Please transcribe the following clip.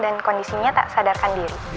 dan kondisinya tak sadarkan diri